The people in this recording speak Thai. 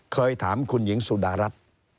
เคยถามคุณหญิงสุดารัฐ